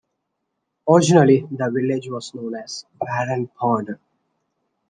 Originally the village was known as Warren Pond.